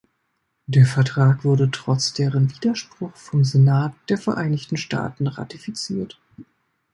Der Vertrag wurde trotz deren Widerspruch vom Senat der Vereinigten Staaten ratifiziert.